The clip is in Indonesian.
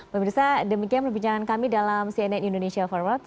pemirsa demikian perbincangan kami dalam cnn indonesia forward